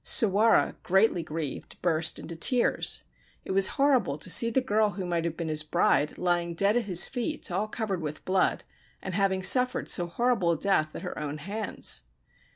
Sawara, greatly grieved, burst into tears. It was horrible to see the girl who might have been his bride lying dead at his feet all covered with blood, and having suffered so horrible a death at her own hands.